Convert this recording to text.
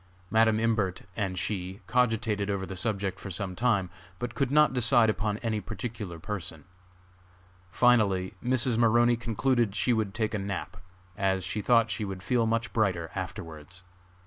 Madam Imbert and she cogitated over the subject for some time, but could not decide upon any particular person. Finally Mrs. Maroney concluded she would take a nap, as she thought she would feel much brighter afterwards.